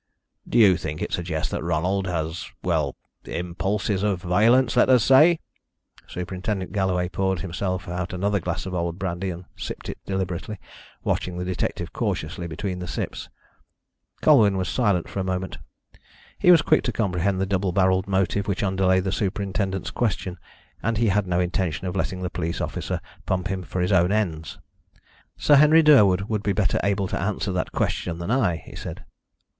Do you think it suggests that Ronald has, well impulses of violence, let us say?" Superintendent Galloway poured himself out another glass of old brandy and sipped it deliberately, watching the detective cautiously between the sips. Colwyn was silent for a moment. He was quick to comprehend the double barrelled motive which underlay the superintendent's question, and he had no intention of letting the police officer pump him for his own ends. "Sir Henry Durwood would be better able to answer that question than I," he said.